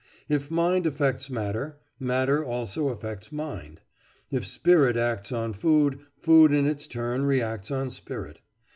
If mind affects matter, matter also affects mind; if spirit acts on food, food in its turn reacts on spirit.